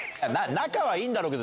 仲はいいんだろうけど。